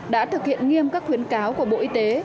đã thực hiện nghiêm các khuyến cáo của bộ y tế